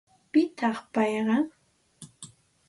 ¿Pitaq payqa?